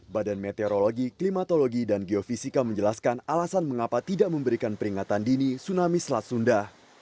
badan meteorologi klimatologi dan geofisika menjelaskan alasan mengapa tidak memberikan peringatan dini tsunami selat sunda